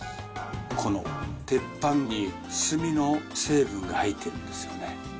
この鉄板に炭の成分が入ってるんですよね。